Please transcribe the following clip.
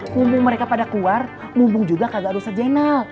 wumbung mereka pada keluar wumbung juga kagak ada usah jenal